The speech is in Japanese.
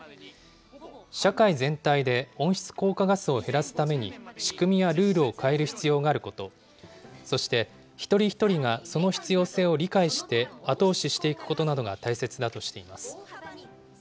社会全体で温室効果ガスを減らすために仕組みやルールを変える必要があること、そして、一人一人がその必要性を理解して、後押ししていくことなどが大切だとしています。